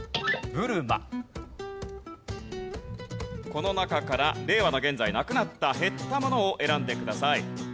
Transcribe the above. この中から令和の現在なくなった・減ったものを選んでください。